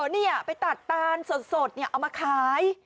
นี่ค่ะไปตัดตานสดเนี่ยเอามาขาย